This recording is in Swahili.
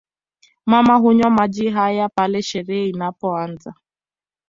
Mama hunywa maji haya pale sherehe inapoanza